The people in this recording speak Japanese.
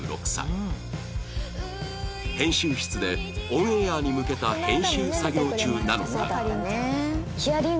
編集室でオンエアに向けた編集作業中なのだが